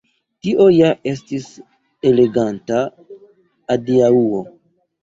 Tio ja estis eleganta adiaŭo.